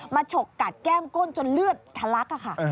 ฉกกัดแก้มก้นจนเลือดทะลักค่ะ